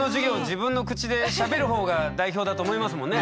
自分の口でしゃべるほうが代表だと思いますもんね？